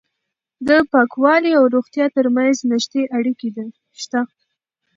د پاکوالي او روغتیا ترمنځ نږدې اړیکه شته.